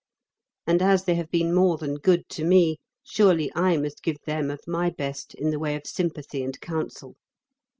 And, as they have been more than good to me, surely I must give them of my best in the way of sympathy and counsel.